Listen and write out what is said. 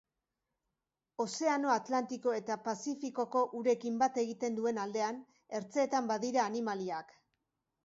Ozeano Atlantiko eta Pafizikoko urekin bat egiten duen aldean, ertzeetan badira animaliak.